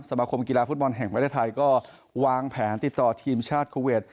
สมาคมกีฬาฟุตบอลแห่งประเทศไทยก็วางแผนติดต่อทีมชาติคูเวท